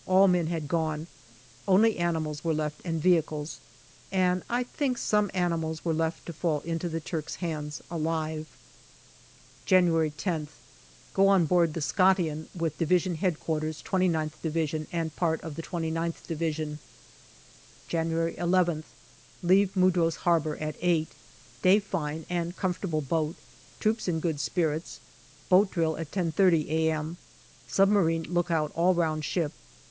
all men had gone; only animals were left and vehicles, and I think some animals were left to fall into the Turks' hands alive. JANUARY 1916 323 January I0th. Go on board the Scotian with D.H.Q. 2gth Division and part of the zgth Division. January llth. Leave Mudros Harbour at eight. Day fine, and com fortable boat. Troops in good spirits. Boat drill at 10.30 a.m. Submarine lookout all round ship.